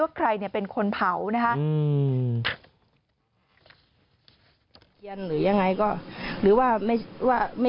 ว่าใครเป็นคนเผานะครับ